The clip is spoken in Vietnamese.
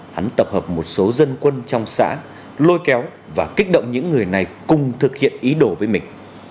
hắn tập hợp một số dân quân trong xã lôi kéo và kích động những người này cùng thực hiện ý đồ với mình